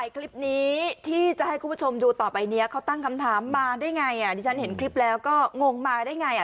ก็ตั้งคำถามมาได้ไงอ่ะที่ชั้นเห็นคลิปแล้วก็งงมาได้ไงอ่ะ